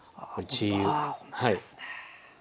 わあほんとですね。